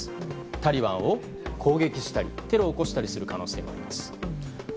タリバンを攻撃したりテロを起こしたりする可能性があります。